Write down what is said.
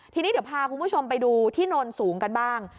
ทีนี้เดี๋ยวพาคุณผู้ชมไปดูที่โนนสูงกันบ้าง